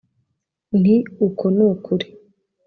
nti uko ni ukuri